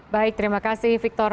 baik terima kasih victor